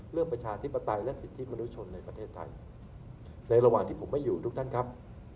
ประชาธิปไตยและสิทธิมนุษยชนในประเทศไทยในระหว่างที่ผมไม่อยู่ทุกท่านครับ